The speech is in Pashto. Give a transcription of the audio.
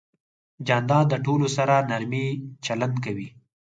جانداد د ټولو سره نرمي چلند کوي.